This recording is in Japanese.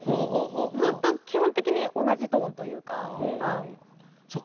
ずっと基本的に同じトーンというか。